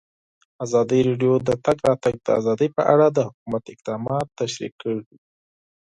ازادي راډیو د د تګ راتګ ازادي په اړه د حکومت اقدامات تشریح کړي.